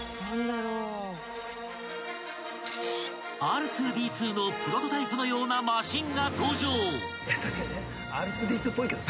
［Ｒ２−Ｄ２のプロトタイプのようなマシンが登場］